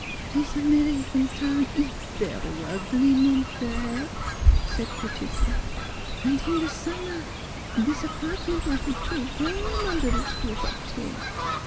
" This American town is very ugly, mon pere" she said piteously; " and in the summer this apart ment will be too warm under its roof of tin.